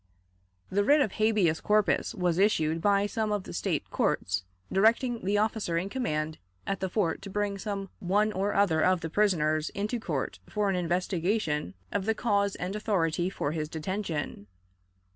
The writ of habeas corpus was issued by some of the State courts, directing the officer in command at the fort to bring some one or other of the prisoners into court for an investigation of the cause and authority for his detention.